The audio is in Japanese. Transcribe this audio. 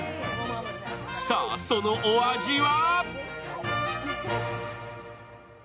さあ、そのお味は？